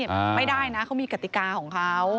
ไม่ได้นะเขามีกติกาของเขา